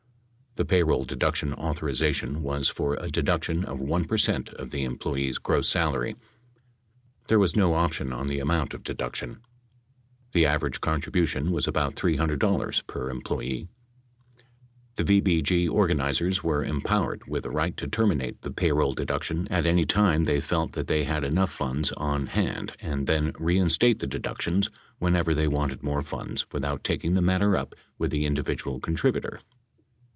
The payroll deduction authorization was for a deduction of 1 per cent of the employee's gross salary ; there was no option on the amount, of deduction. The average contribution was about $300 per employee. The VBG organizers were empowered with the right to terminate the payroll deduction at any time they felt that they had enough funds on hand and then reinstate the deductions whenever they wanted more funds without taking the matter up with the individual contributor.